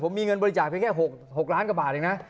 ผมมีเงินบริจาค์แค่๖ล้านกว่าบาทอีกนะ